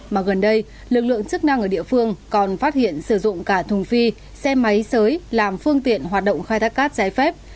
mà gần đây lực lượng chức năng ở địa phương còn phát hiện sử dụng cả thùng phi xe máy sới làm phương tiện hoạt động khai thác cát trái phép